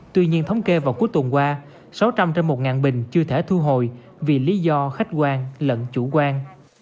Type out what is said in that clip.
tuy nhiên thống kê vào cuối tuần qua sáu trăm linh trên một bình chưa thể thu hồi vì lý do khách quan lẫn chủ quan